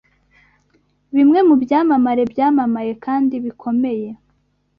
Bimwe mubyamamare byamamaye kandi bikomeye